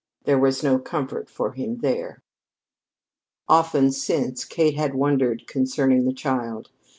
There was no comfort for him there. Often, since, Kate had wondered concerning the child.